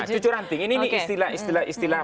cucu ranting ini istilah